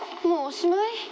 もうおしまい？